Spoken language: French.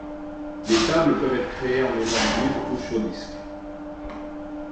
Les tables peuvent être créées en mémoire vive ou sur disque.